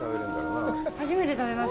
初めて食べます。